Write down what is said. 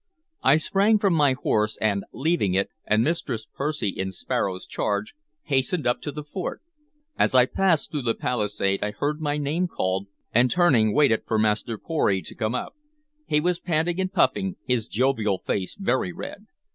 I sprang from my horse, and, leaving it and Mistress Percy in Sparrow's charge, hastened up to the fort. As I passed through the palisade I heard my name called, and turning waited for Master Pory to come up. He was panting and puffing, his jovial face very red.